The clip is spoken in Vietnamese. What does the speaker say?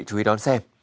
chú ý đón xem